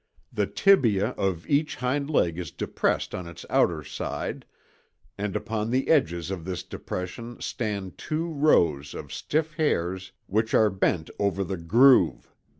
The tibia of each hind leg is depressed on its outer side, and upon the edges of this depression stand two rows of stiff hairs which are bent over the groove.